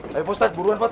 seberapa emang warisan aie